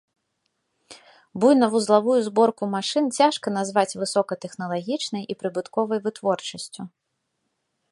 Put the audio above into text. Буйнавузлавую зборку машын цяжка назваць высокатэхналагічнай і прыбытковай вытворчасцю.